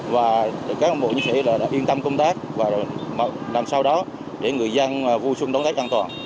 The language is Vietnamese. và các ông bộ chiến sĩ đã yên tâm công tác và làm sao đó để người dân vui xuân đón tết an toàn